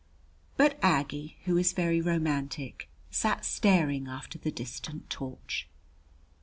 But Aggie, who is very romantic, sat staring after the distant torch.